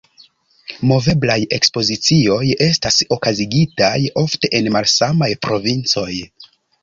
Moveblaj ekspozicioj estas okazigitaj ofte en malsamaj provincoj.